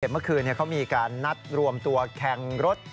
เมื่อคืนเขามีการนัดรวมตัวแข่งรถ